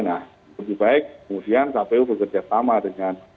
nah lebih baik kemudian kpu bekerja sama dengan